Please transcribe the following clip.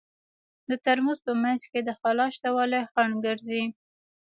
د ترموز په منځ کې د خلاء شتوالی خنډ ګرځي.